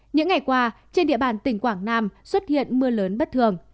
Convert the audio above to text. những ngày qua trên địa bàn tỉnh quảng nam xuất hiện mưa lớn bất thường